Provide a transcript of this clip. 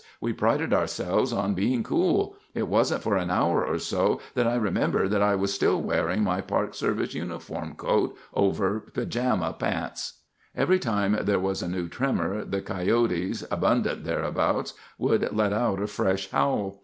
We prided ourselves on being cool. It wasn't for an hour or so that I remembered that I was still wearing my Park Service uniform coat over pajama pants." Every time there was a new tremor, the coyotes, abundant thereabouts, would let out a fresh howl.